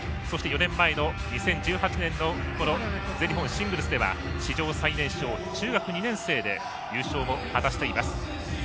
そして、４年前の２０１８年の全日本シングルスでは史上最年少中学２年生で優勝も果たしています。